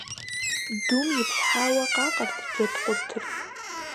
Дум ипщхьауэ къакъэрт джэд къуртыр.